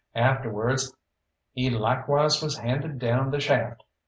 Afterwards he likewise was handed down the shaft.